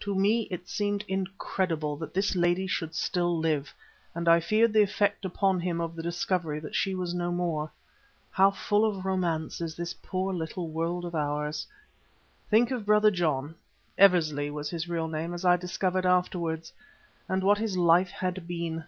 To me it seemed incredible that this lady should still live, and I feared the effect upon him of the discovery that she was no more. How full of romance is this poor little world of ours! Think of Brother John (Eversley was his real name as I discovered afterwards), and what his life had been.